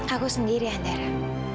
aku sendiri andara